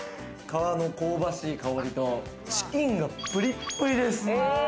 皮の香ばしい香りと、チキンがプリップリです。